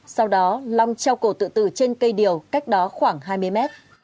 sau đó long treo cổ tự tử trên cây điều cách đó khoảng hai mươi mét